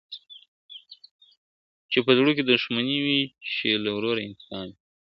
چي په زړو کي دښمنۍ وي چي له وروه انتقام وي !.